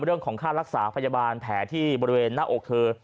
เรื่องของค่ารักษาพยาบาลแผลที่บริเวณหน้าอกเธอ